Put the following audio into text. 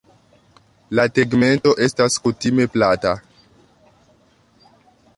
La tegmento estas kutime plata.